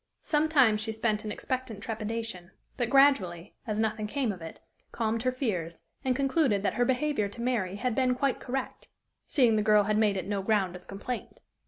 Some time she spent in expectant trepidation, but gradually, as nothing came of it, calmed her fears, and concluded that her behavior to Mary had been quite correct, seeing the girl had made it no ground of complaint.